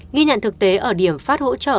nghi nhận thực tế ở điểm phát hỗ trợ